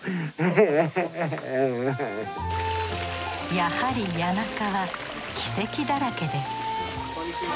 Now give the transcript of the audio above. やはり谷中は奇跡だらけですこんにちは。